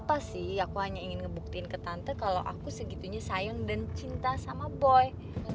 apa sih aku hanya ingin ngebuktiin ke tante kalau aku segitunya sayang dan cinta sama boy